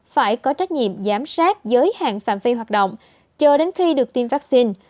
phải có trách nhiệm giám sát giới hạn phạm vi hoạt động chờ đến khi được tiêm vaccine